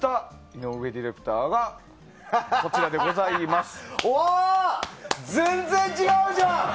イノウエディレクターがこちらでございます。